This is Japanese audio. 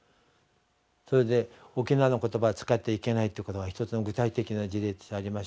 それで沖縄の言葉使ってはいけないってことは一つの具体的な事例としてありましたからね。